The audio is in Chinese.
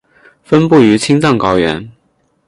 分布于青藏高原。